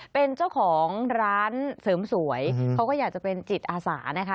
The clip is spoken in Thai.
เป็นเจ้าของร้านเสริมสวยเขาก็อยากจะเป็นจิตอาสานะคะ